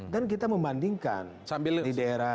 dan kita membandingkan di daerah jerman